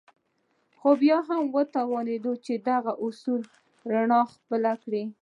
خو بيا هم وتوانېد چې د همدغو اصولو رڼا خپله کړي.